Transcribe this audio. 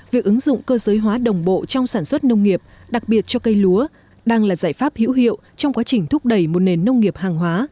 việc ứng dụng cơ giới hóa đồng bộ trong sản xuất nông nghiệp đặc biệt cho cây lúa đang là giải pháp hữu hiệu trong quá trình thúc đẩy một nền nông nghiệp hàng hóa